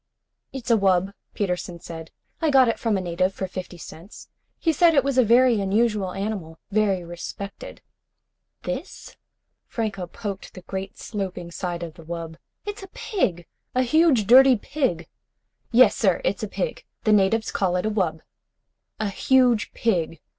"It's a wub," Peterson said. "I got it from a native for fifty cents. He said it was a very unusual animal. Very respected." "This?" Franco poked the great sloping side of the wub. "It's a pig! A huge dirty pig!" "Yes sir, it's a pig. The natives call it a wub." "A huge pig.